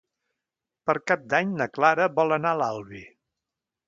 Per Cap d'Any na Clara vol anar a l'Albi.